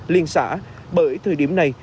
liên xã bởi thời điểm này